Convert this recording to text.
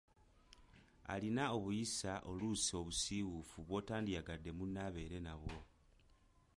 Alina obuyisa oluusi obusiwuufu bw’otandyagadde munno abeere nabwo.